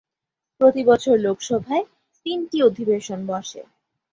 প্রতিবছর লোকসভার তিনটি অধিবেশন বসে।